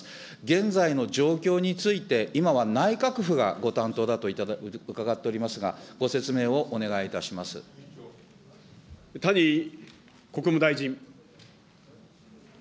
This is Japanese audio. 現在の状況について、今は内閣府がご担当だと伺っておりますが、ご説明をお願いいたし谷国務大臣。